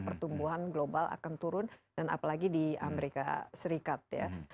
pertumbuhan global akan turun dan apalagi di amerika serikat ya